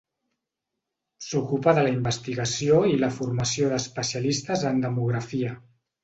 S'ocupa de la investigació i la formació d’especialistes en demografia.